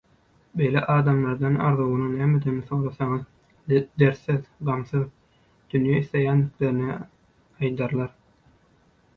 Beýle adamlardan arzuwynyň nämedigini sorasaňyz dertsiz, gamsyz dünýä isleýändiklerini aýdarlar.